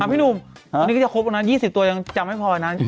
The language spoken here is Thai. ค่ะพี่หนุ่มอันนี้ก็จะครบแล้วนะ๒๐ตัวยังจำไม่พอนะ